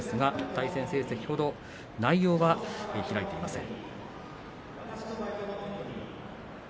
対戦成績ほど内容は開いていません。